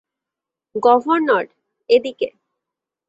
Governor, এদিকে!